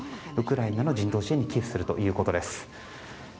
ウクライナの人道支援に寄付するということです。